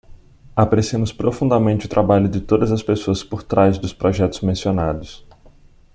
Apreciamos profundamente o trabalho de todas as pessoas por trás dos projetos mencionados.